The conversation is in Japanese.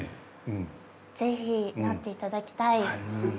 ぜひなっていただきたい。